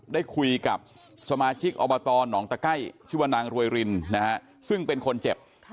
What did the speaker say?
ได้คุยกับสมาชิกอบตหนองตะไก้ชื่อว่านางรวยรินซึ่งเป็นคนเจ็บ